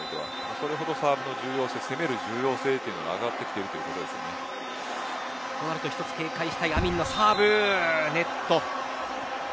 それほどサーブの攻める重要性がとなると１つ警戒したいアミンのサーブ、ネット。